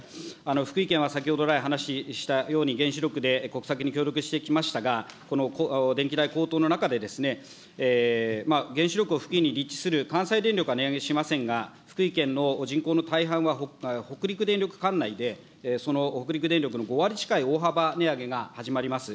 福井県は先ほど来、話したように、原子力で国策に協力してきましたが、この電気代高騰の中で、原子力付近に立地する関西電力は値上げしませんが、福井県の人口の大半は北陸電力管内で、その北陸電力の５割近い大幅値上げが始まります。